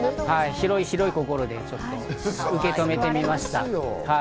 広い広い心で受け止めてみました。